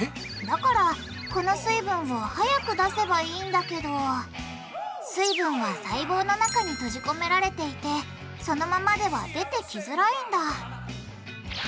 だからこの水分を早く出せばいいんだけど水分は細胞の中に閉じ込められていてそのままでは出てきづらいんだ